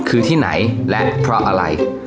คือที่ไหนและเพราะอะไร